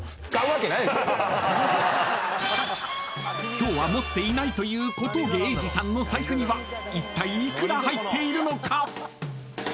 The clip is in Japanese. ［今日は持っていないという小峠英二さんの財布にはいったい幾ら入っているのか？］